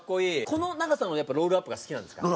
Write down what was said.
この長さのやっぱロールアップが好きなんですか？